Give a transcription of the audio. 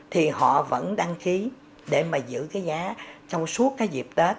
thì họ vẫn đăng ký để mà giữ cái giá trong suốt cái dịp tết